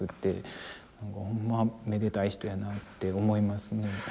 ほんまめでたい人やなって思いますね。